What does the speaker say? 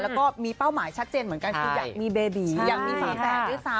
แล้วก็มีเป้าหมายชัดเจนเหมือนกันคืออยากมีเบบีอยากมีฝาแฝดด้วยซ้ำ